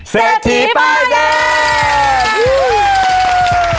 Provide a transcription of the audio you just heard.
เศรษฐีป้ายแดง